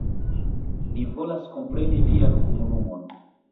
Ni volas kompreni vian komunumon.